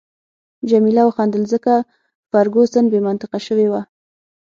جميله وخندل، ځکه فرګوسن بې منطقه شوې وه.